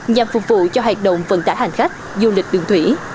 nhằm phục vụ cho hoạt động vận tải hành khách du lịch đường thủy